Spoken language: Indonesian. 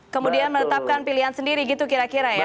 kemudian menetapkan pilihan sendiri gitu kira kira ya